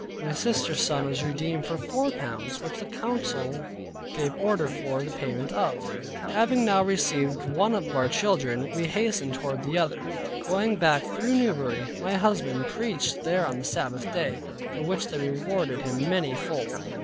My sister's son was redeemed for four pounds, which the council gave order for the payment of. Having now received one of our children, we hastened toward the other. Going back through Newbury my husband preached there on the Sabbath day; for which they rewarded him many fold.